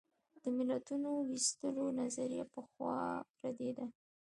د ملتونو وېستلو نظریه پخوا ردېده.